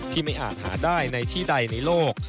ไม่อาจหาได้ในที่ใดในโลก